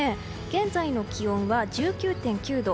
現在の気温は１９．９度。